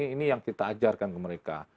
ini yang kita ajarkan ke mereka